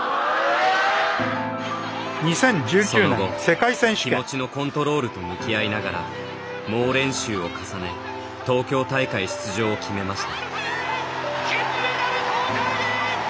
その後、気持ちのコントロールと向き合いながら猛練習を重ね、東京大会出場を決めました。